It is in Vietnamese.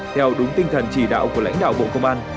theo đúng tinh thần chỉ đạo của lãnh đạo bộ công an